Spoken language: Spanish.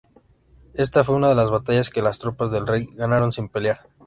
Esta fue una de las batallas que las tropas del rey ganaron sin pelear.